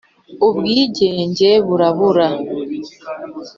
Ubwigenge burabura,